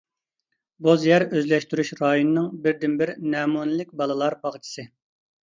بوز يەر ئۆزلەشتۈرۈش رايونىنىڭ بىردىنبىر نەمۇنىلىك بالىلار باغچىسى.